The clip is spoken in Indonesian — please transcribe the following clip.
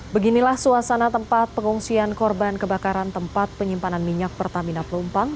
beginilah suasana tempat pengungsian korban kebakaran tempat penyimpanan minyak pertamina pelumpang